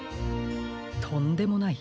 とんでもない。